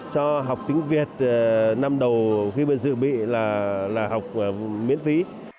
cho học tiếng việt năm đầu khi mà dự bị là học miễn phí